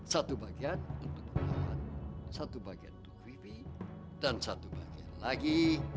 satu bagian untuk melihat satu bagian untuk vivi dan satu bagian lagi